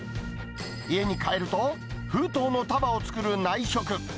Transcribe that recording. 家に帰ると、封筒の束を作る内職。